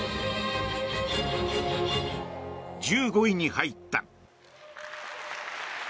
１５位に入った。